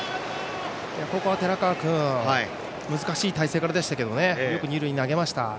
ここは寺川君難しい体勢からでしたけどよく二塁に投げました。